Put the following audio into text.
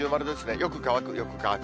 よく乾く、よく乾く。